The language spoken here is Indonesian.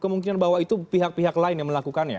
kemungkinan bahwa itu pihak pihak lain yang melakukan itu